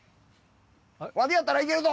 わてやったらいけるぞ！